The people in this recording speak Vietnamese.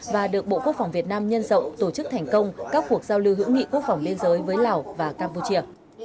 và được bộ quốc phòng việt nam nhân rộng tổ chức thành công các cuộc giao lưu hữu nghị quốc phòng biên giới với lào và campuchia